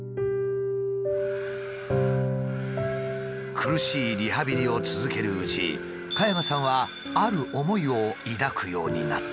苦しいリハビリを続けるうち加山さんはある思いを抱くようになった。